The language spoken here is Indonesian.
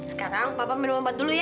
sekarang papa minum obat dulu ya